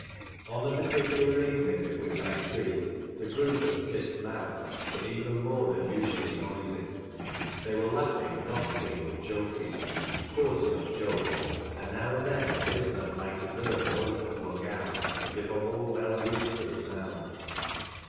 On the particular evening of which I speak, the group at the pit's mouth were ever, more than iisually noisy Thoy were laughing, gossiping and joking, — coarse enough jokes, — and now and then a listener might have heard an oath flung out as if all were well used to the sound.